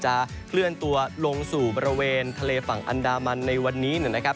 เคลื่อนตัวลงสู่บริเวณทะเลฝั่งอันดามันในวันนี้นะครับ